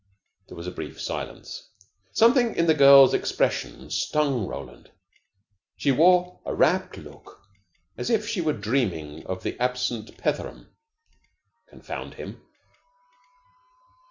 There was a brief silence. Something in the girl's expression stung Roland. She wore a rapt look, as if she were dreaming of the absent Petheram, confound him.